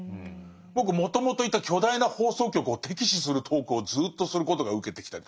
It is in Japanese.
僕もともといた巨大な放送局を敵視するトークをずっとすることがウケてきたりとかして。